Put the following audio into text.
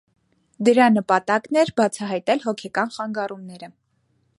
Դրա նպատակն էր բացահայտել հոգեկան խանգարումները։